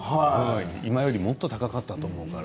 今よりもっと高かったと思うから。